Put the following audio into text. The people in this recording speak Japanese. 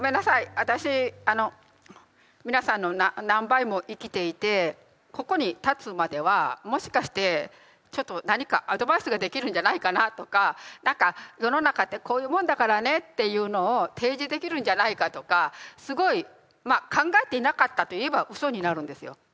私皆さんの何倍も生きていてここに立つまではもしかしてちょっと何かアドバイスができるんじゃないかなとか何か世の中ってこういうもんだからねっていうのを提示できるんじゃないかとかすごいまあ考えていなかったと言えばうそになるんですよ。